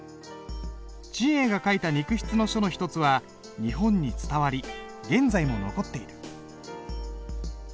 智永が書いた肉筆の書の一つは日本に伝わり現在も残っている。